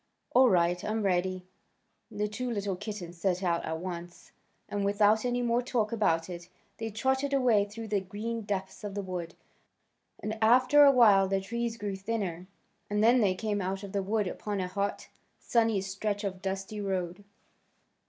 "All right; I'm ready." The two little kittens set out at once, and without any more talk about it. They trotted away through the green depths of the wood, and after a while the trees grew thinner, and then they came out of the wood upon a hot, sunny stretch of dusty road.